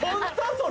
それ。